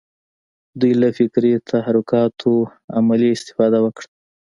دوی له فکري تحرکاتو عملي استفاده وکړه.